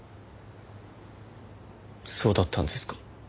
そうだったんですか。